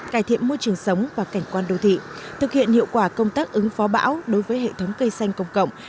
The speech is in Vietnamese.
cải thiện môi trường sống và cảnh quan đô thị thực hiện hiệu quả công tác ứng phó bão đối với hệ thống cây xanh công cộng